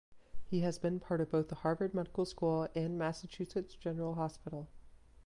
He has been part of both the Harvard Medical School and Massachusetts General Hospital.